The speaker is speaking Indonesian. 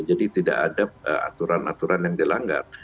jadi tidak ada aturan aturan yang dilanggar